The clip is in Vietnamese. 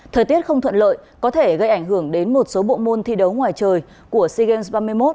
thời tiết không thuận lợi có thể gây ảnh hưởng đến một số bộ môn thi đấu ngoài trời của sea games ba mươi một